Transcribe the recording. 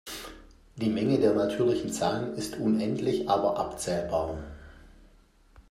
Die Menge der natürlichen Zahlen ist unendlich aber abzählbar.